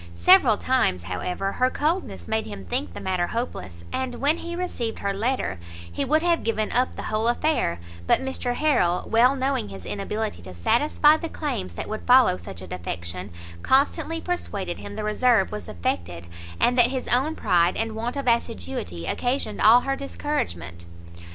Several times, however, her coldness made him think the matter hopeless; and when he received her letter, he would have given up the whole affair; but Mr Harrel, well knowing his inability to satisfy the claims that would follow such a defection, constantly persuaded him the reserve was affected, and that his own pride and want of assiduity occasioned all her discouragement.